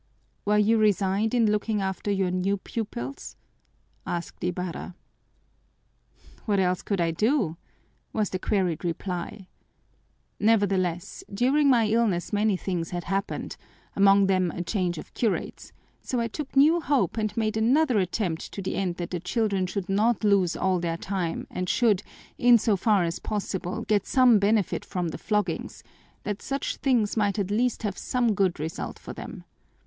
"Were you resigned in looking after your new pupils?" asked Ibarra. "What else could I do?" was the queried reply. "Nevertheless, during my illness many things had happened, among them a change of curates, so I took new hope and made another attempt to the end that the children should not lose all their time and should, in so far as possible, get some benefit from the floggings, that such things might at least have some good result for them.